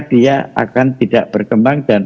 dia akan tidak berkembang dan